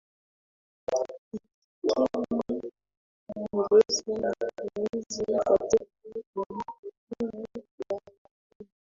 ukimwi unaongeza matumizi katika huduma za afya